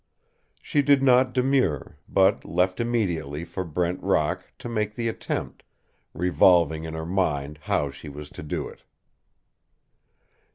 She did not demur, but left immediately for Brent Rock to make the attempt, revolving in her mind how she was to do it.